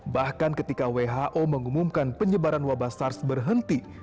bahkan ketika who mengumumkan penyebaran wabah sars berhenti